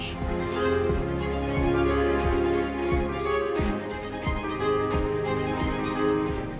aku takut banget